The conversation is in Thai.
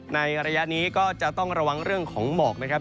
ในระยะนี้ก็จะต้องระวังเรื่องของหมอกนะครับ